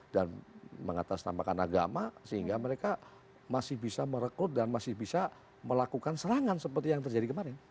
dan mengatas tambahkan agama sehingga mereka masih bisa merekrut dan masih bisa melakukan serangan seperti yang terjadi kemarin